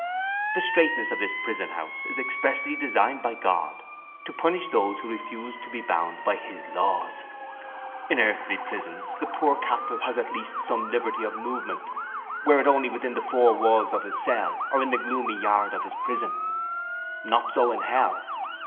The straitness of this prison house is expressly designed by God to punish those who refused to be bound by His laws. In earthly prisons the poor captive has at least some liberty of movement, were it only within the four walls of his cell or in the gloomy yard of his prison. Not so in hell.